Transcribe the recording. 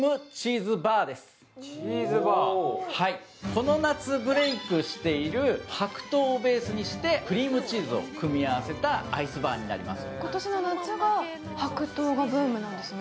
この夏ブレイクしている白桃をベースにして、クリームチーズを組み合わせたアイスバーになります。